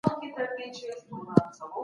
موږ په صنف کي د نوي ټیکنالوژۍ ګټي څېړو.